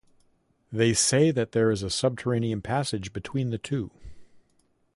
They say that there is a subterranean passage between the two.